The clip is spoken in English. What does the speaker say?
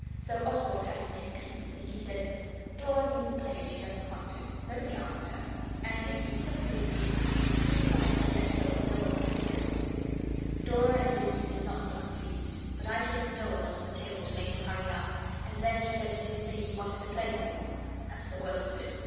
So Oswald had to make peace, and he said 'Dora needn't play if she doesn't want to. Nobody asked her. And, Dicky, don't be an idiot: do dry up and let's hear what Noel's idea is.' Dora and Dicky did not look pleased, but I kicked Noel under the table to make him hurry up, and then he said he didn't think he wanted to play any more. That's the worst of it.